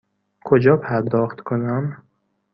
کجا پرداخت کنم؟